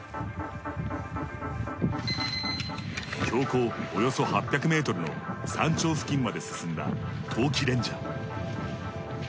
標高およそ８００ｍの山頂付近まで進んだ冬季レンジャー。